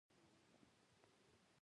دلته پلار د جنګ اوسېږي